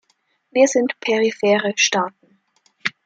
Wir sind periphere Staaten.